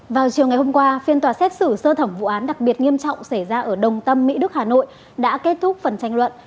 vào chiều ngày hôm qua phiên tòa xét xử sơ thẩm vụ án đặc biệt nghiêm trọng xảy ra ở đồng tâm mỹ đức hà nội đã kết thúc phần tranh luận